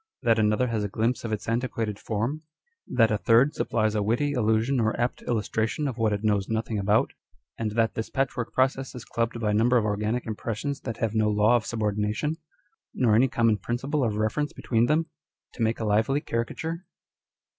] â€" that another has a glimpse of its antiquated form ; that a third supplies a witty allusion or apt illustration of what it knows nothing about ; and that this patchwork process is clubbed by a number of organic impressions that have no law of subordination, nor any common principle of reference between them, to make a lively caricature